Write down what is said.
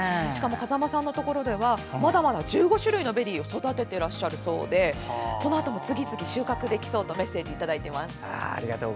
風間さんのところでは１５種類のベリーを育ててらっしゃるそうでこのあとも次々と収穫できそうとメッセージいただいています。